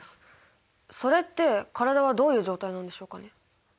それって体はどういう状態なんでしょうかね？